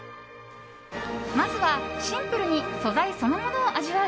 まずは、シンプルに素材そのものを味わう